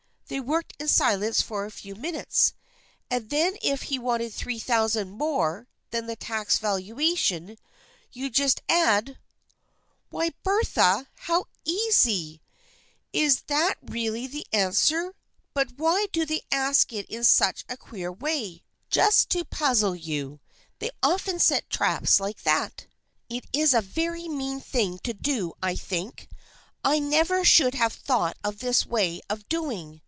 They worked in silence a few minutes. " And then if he wanted $3,000 more than the taxed valuation you just add — why, Bertha, how easy ! Is that really the answer ? But why do they ask it in such a queer way ?"" Just to puzzle you. They often set traps like that." " It is a very mean thing to do, I think. I never should have thought of this way of doing.